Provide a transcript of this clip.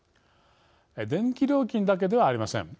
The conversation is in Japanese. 電気料金だけではありません。